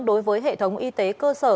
đối với hệ thống y tế cơ sở